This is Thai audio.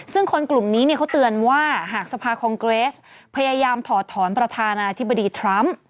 ซึ่งคนกลุ่มนี้เขาเตือนว่าหากสภาคองเกรสพยายามถอดถอนประธานาธิบดีทรัมป์